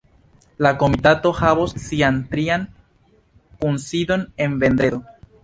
La komitato havos sian trian kunsidon en vendredo.